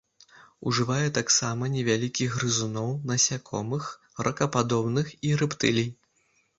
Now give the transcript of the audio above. Ужывае таксама невялікіх грызуноў, насякомых, ракападобных і рэптылій.